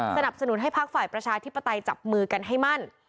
สนับสนุนให้พักฝ่ายประชาธิปไตยจับมือกันให้มั่น